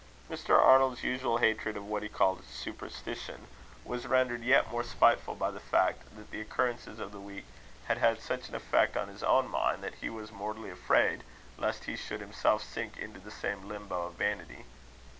Mr. Arnold's usual hatred of what he called superstition, was rendered yet more spiteful by the fact, that the occurrences of the week had had such an effect on his own mind, that he was mortally afraid lest he should himself sink into the same limbo of vanity.